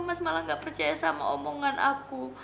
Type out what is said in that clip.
mas malah gak percaya sama omongan aku